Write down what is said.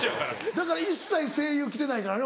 だから一切声優来てないからね